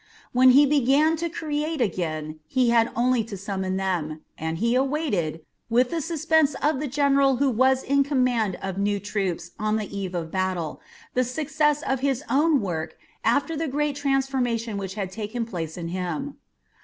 When he began to create again, he had only to summon them, and he awaited, with the suspense of the general who is in command of new troops on the eve of battle, the success of his own work after the great transformation which had taken place in him.